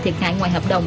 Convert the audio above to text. thiệt hại ngoài hợp đồng